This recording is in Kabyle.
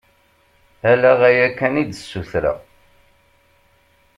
Ala aya kan i d-ssutreɣ.